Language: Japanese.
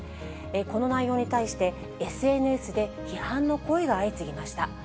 この内容に対して、ＳＮＳで批判の声が相次ぎました。